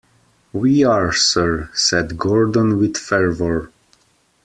"We are, sir," said Gordon, with fervor.